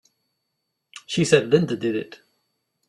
She said Linda did it!